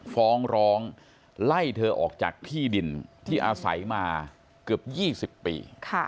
ฟ้องร้องไล่เธอออกจากที่ดินที่อาศัยมาเกือบ๒๐ปี